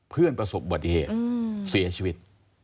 เพื่อนประสบบที่เหตุเสียชีวิต